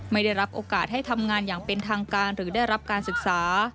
ไม่ได้รับโอกาสให้ทำงานอย่างเป็นทางการหรือได้รับการศึกษา